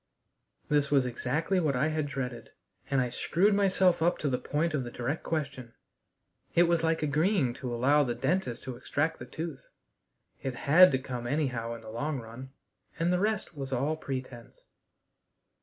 This was exactly what I had dreaded, and I screwed myself up to the point of the direct question. It was like agreeing to allow the dentist to extract the tooth; it had to come anyhow in the long run, and the rest was all pretense.